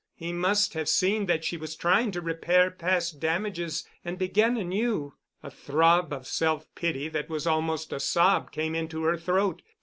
He must have seen that she was trying to repair past damages and begin anew. A throb of self pity that was almost a sob came into her throat.